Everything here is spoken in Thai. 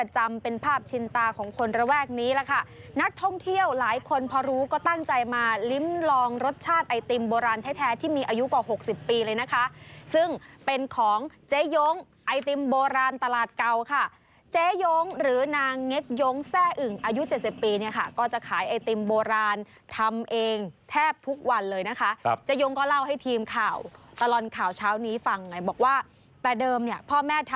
ชินตาของคนระแวกนี้ล่ะค่ะนักท่องเที่ยวหลายคนพอรู้ก็ตั้งใจมาลิ้มลองรสชาติไอติมโบราณแท้แท้ที่มีอายุกว่าหกสิบปีเลยนะคะซึ่งเป็นของเจ๊ย้งไอติมโบราณตลาดเก่าค่ะเจ๊ย้งหรือนางเง็ดย้งแทร่อึ่งอายุเจ็ดสิบปีเนี่ยค่ะก็จะขายไอติมโบราณทำเองแทบทุกวันเลยนะคะครับเจ๊ย้งก็เล่